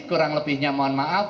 kurang lebihnya mohon maaf